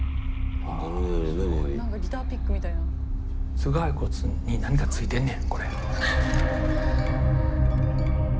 頭蓋骨に何かついてんねんこれ。